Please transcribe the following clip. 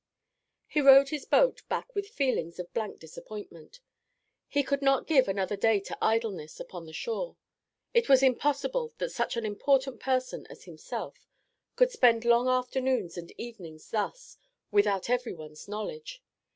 He rowed his boat back with feelings of blank disappointment. He could not give another day to idleness upon the shore. It was impossible that such an important person as himself could spend long afternoons and evenings thus without everyone's knowledge.